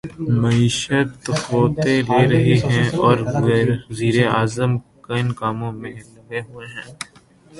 معیشت غوطے لے رہی ہے اور وزیر اعظم کن کاموں میں لگے ہوئے ہیں۔